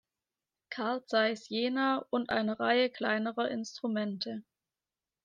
Carl Zeiss Jena und einer Reihe kleinere Instrumente.